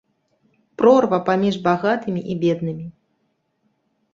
Прорва паміж багатымі і беднымі!